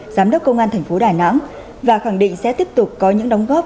giám đốc công an thành phố đà nẵng và khẳng định sẽ tiếp tục có những đóng góp